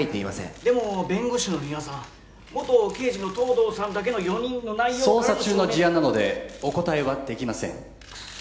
でも弁護士の三輪さん元刑事の東堂さんだけの４人の内容からの捜査中の事案なのでお答えはできませんクソ